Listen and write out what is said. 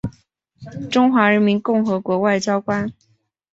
中华人民共和国外交官。